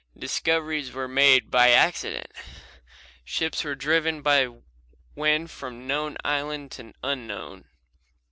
Discoveries were made by accident. Ships were driven by the wind from known island to unknown.